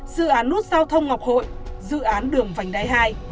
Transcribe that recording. dự án nút giao thông ngọc hội dự án đường vành đai hai